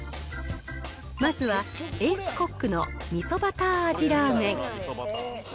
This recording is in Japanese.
まずは、エースコックの味噌バター味ラーメン。